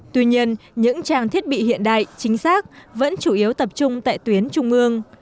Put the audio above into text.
tuy nhiên những trang thiết bị hiện đại chính xác vẫn chủ yếu tập trung tại tuyến trung ương